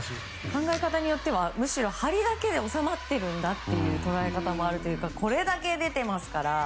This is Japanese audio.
考え方によってはむしろ、張りだけで収まっているんだという捉え方もあるというかこれだけ出てますから。